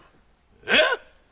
えっ？